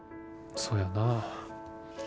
そやなぁ。